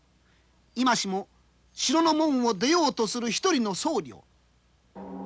今しも城の門を出ようとする一人の僧侶。